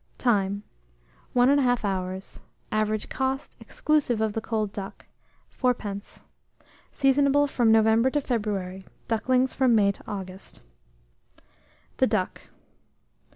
Time. 1 1/2 hour. Average cost, exclusive of the cold duck, 4d. Seasonable from November to February; ducklings from May to August. THE DUCK.